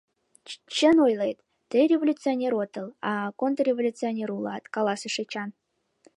— Чын ойлет, тый революционер отыл, а контрреволюционер улат! — каласыш Эчан.